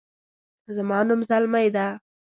زما نوم زلمۍ ده